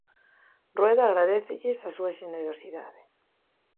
Rueda agradécelles a súa xenerosidade.